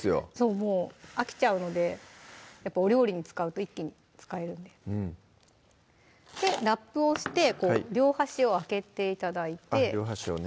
もう飽きちゃうのでやっぱお料理に使うと一気に使えるんでラップをしてこう両端を開けて頂いて両端をね